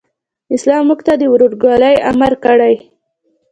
اسلام موږ ته د ورورګلوئ امر کوي.